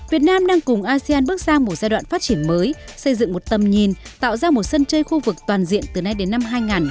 việt nam đang cùng asean bước sang một giai đoạn phát triển mới xây dựng một tầm nhìn tạo ra một sân chơi khu vực toàn diện từ nay đến năm hai nghìn hai mươi năm